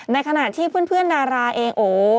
ในขณะที่เพื่อนดาราเองโอ้